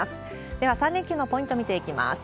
では、３連休のポイント見ていきます。